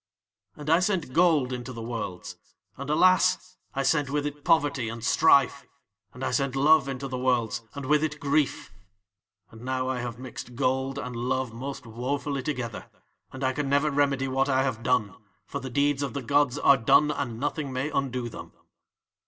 And I sent gold into the Worlds, and, alas! I sent with it poverty and strife. And I sent love into the Worlds, and with it grief. "'And now I have mixed gold and love most woefully together, and I can never remedy what I have done, for the deeds of the gods are done, and nothing may undo them.